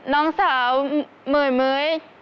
น้องสาวเหม่ย